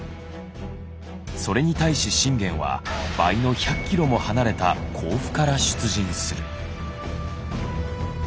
それに対し信玄は倍の１００ｋｍも離れた甲府から出陣する。